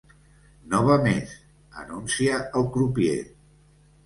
No va més! —anuncia el crupier.